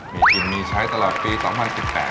มีชิ้นมีใช้ตลอดปี๒๐๑๘ครับผม